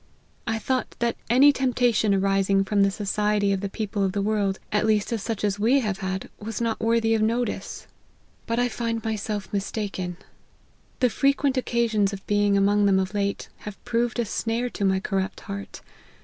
I thought that any temptation arising from the society of the people of the world, at least of such as vre hav* had, was not worthy of notice : but I* find myself LIFE OF HENRY MARTYN. 119 mistaken. The frequent occasions of being among them of late, have proved a snare to my corrupt heart.